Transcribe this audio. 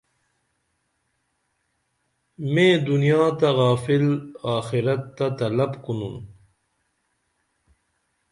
میں دنیا تہ غافل آخرت تہ طلب کونن